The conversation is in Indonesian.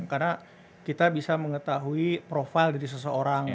karena kita bisa mengetahui profil dari seseorang